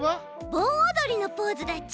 ぼんおどりのポーズだち。